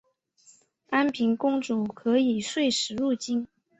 安平公主可以岁时入京。